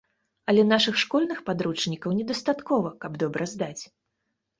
Але нашых школьных падручнікаў не дастаткова, каб добра здаць.